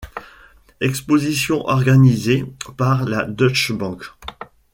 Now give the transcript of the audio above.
Exposition organisée par la Deutsche Bank.